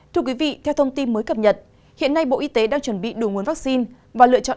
thưa quý vị theo thông tin mới cập nhật hiện nay bộ y tế đang chuẩn bị đủ nguồn vaccine và lựa chọn